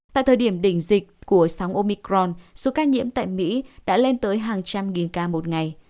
tại thời điểm đỉnh dịch của sóng omicron số ca nhiễm tại mỹ đã lên tới hàng trăm nghìn ca một ngày